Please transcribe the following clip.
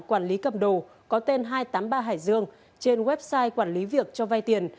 quản lý cầm đồ có tên hai trăm tám mươi ba hải dương trên website quản lý việc cho vay tiền